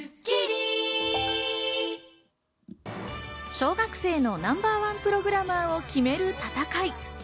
小学生のナンバーワンプログラマーを決める戦い。